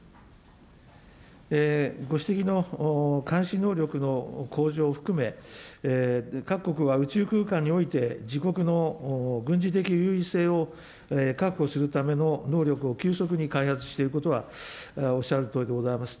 ご指摘の監視能力の向上を含め、各国は宇宙空間において、自国の軍事的優位性を確保するための能力を急速に開発していることは、おっしゃるとおりでございます。